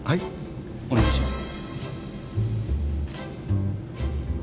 お願いします。